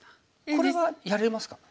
これはやれますか？